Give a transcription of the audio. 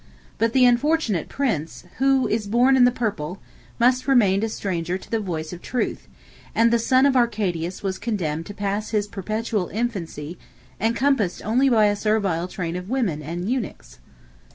But the unfortunate prince, who is born in the purple, must remain a stranger to the voice of truth; and the son of Arcadius was condemned to pass his perpetual infancy encompassed only by a servile train of women and eunuchs.